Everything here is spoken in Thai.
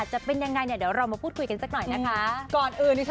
จะเป็นยังไงเนี่ยเดี๋ยวเรามาพูดคุยกันสักหน่อยนะคะ